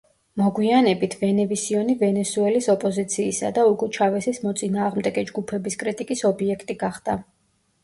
მოგვიანებით, ვენევისიონი ვენესუელის ოპოზიციისა და უგო ჩავესის მოწინააღმდეგე ჯგუფების კრიტიკის ობიექტი გახდა.